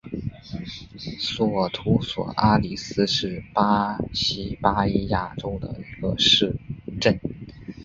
索图索阿里斯是巴西巴伊亚州的一个市镇。